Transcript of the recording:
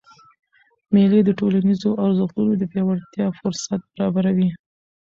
مېلې د ټولنیزو ارزښتونو د پیاوړتیا فُرصت برابروي.